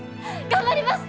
頑張ります！